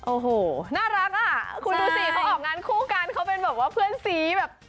โอ้โฮน่ารักอ่ะคุณดูสิเขาออกงานคู่กันเป็นเพื่อนซี